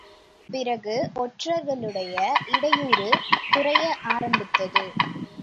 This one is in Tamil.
பிறகு ஒற்றர்களுடைய இடையூறு குறைய ஆரம்பித்தது.